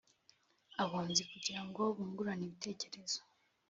abunzi kugira ngo bungurane ibitekerezo